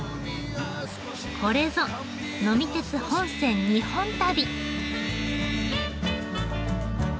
これぞ「呑み鉄本線・日本旅」！